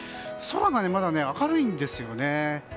空がまだ明るいんですよね。